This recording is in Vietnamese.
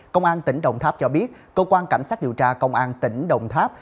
công an tỉnh đồng tháp cho biết cơ quan cảnh sát điều tra công an tỉnh đồng tháp